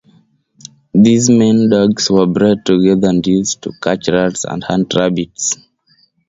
These maimed dogs were bred together and used to catch rats, and hunt rabbits.